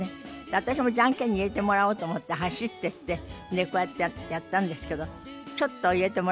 私もジャンケンに入れてもらおうと思って走ってってこうやってやったんですけどちょっと入れてもらえなくて。